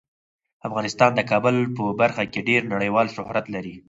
افغانستان د کابل په برخه کې ډیر نړیوال شهرت لري.